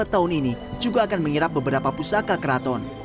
dua tahun ini juga akan menghirap beberapa pusaka keraton